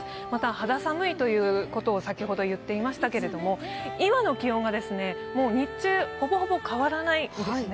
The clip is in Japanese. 肌寒いということを先ほど言っていましたけれども、今の気温がもう日中、ほぼほぼ変わらないんですね。